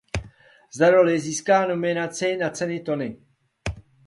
Za roli získala nominaci na ceny Tony.